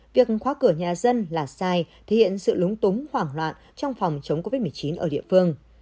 việc khóa cửa nhà dân là sai thể hiện sự lúng túng hoảng loạn trong phòng chống covid một mươi chín ở địa phương